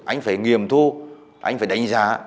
anh phải nghiêm thu anh phải đánh giá